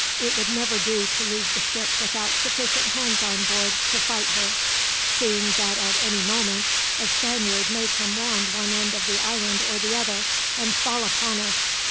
It would never do to leave the ship without sufficient hands on board to fight her, seeing that at any moment a Spaniard may come round one end of the island or the other, and fall upon us.